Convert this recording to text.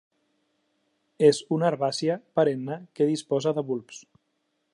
És una herbàcia perenne que disposa de bulbs.